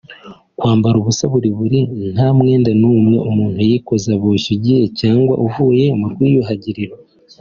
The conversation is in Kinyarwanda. Kwambara ubusa buri buri nta mwenda n’umwe umuntu yikoza boshye ugiye cyangwa uvuye mu rwiyuhagiriro